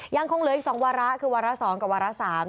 ยังคงเหลืออีกสองวาระคือวาระสองกับวาระสาม